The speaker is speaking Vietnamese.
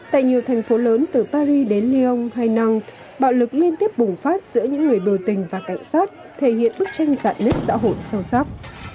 tại nhiều thành phố lớn từ paris đến lyon hainan bạo lực liên tiếp bùng phát giữa những người biểu tình và cảnh sát thể hiện bức tranh giả nứt xã hội sâu sắc